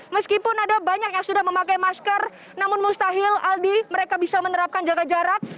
meskipun ada banyak yang sudah memakai masker namun mustahil aldi mereka bisa menerapkan jaga jarak